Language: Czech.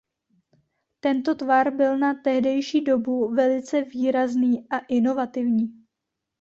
Tento tvar byl na tehdejší dobu velice výrazný a inovativní.